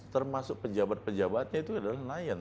termasuk pejabat pejabatnya itu adalah nelayan